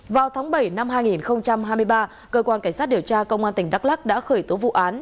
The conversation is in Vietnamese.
vào tháng bảy năm hai nghìn hai mươi ba cơ quan cảnh sát điều tra công an tỉnh đắk lắc đã khởi tố vụ án